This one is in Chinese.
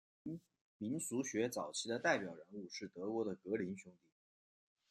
民俗学早期的代表人物是德国的格林兄弟。